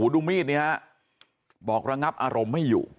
ดูมีดนี้ฮะบอกระงับอารมณ์ไม่อยู่